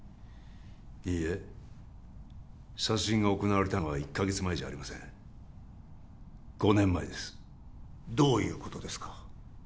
いいえ殺人が行われたのは１カ月前じゃありません５年前ですどういうことですか？